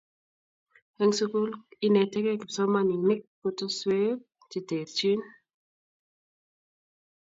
en sukul inetekei kipsomaninik kotoswek cheterchin